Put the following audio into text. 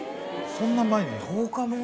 そんな前に？